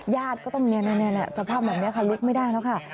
ญาติก็ต้องเงียนสภาพเหมือนแบบนี้ค่ะลุกไม่ได้แล้วค่ะ